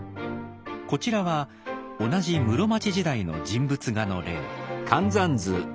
こちらは同じ室町時代の人物画の例。